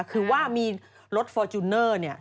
คือว่ามีรถฟอร์จูเนอร์เนี่ย